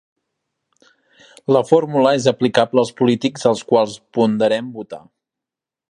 La fórmula és aplicable als polítics als quals ponderem votar.